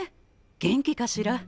元気かしら。